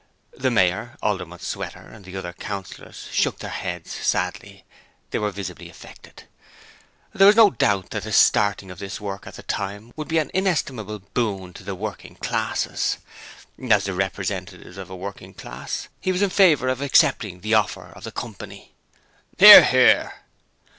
(The Mayor, Alderman Sweater, and all the other Councillors shook their heads sadly; they were visibly affected.) There was no doubt that the starting of that work at that time would be an inestimable boon to the working classes. As the representative of a working class ward he was in favour of accepting the offer of the Company. (Hear. Hear.)